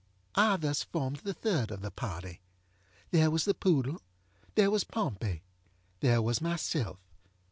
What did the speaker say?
I thus formed the third of the party. There was the poodle. There was Pompey. There was myself.